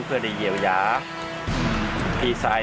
ภารกิจสรรค์ภารกิจสรรค์